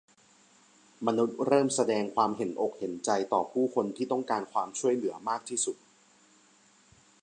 มนุษย์เริ่มแสดงความเห็นอกเห็นใจต่อผู้คนที่ต้องการความช่วยเหลือมากที่สุด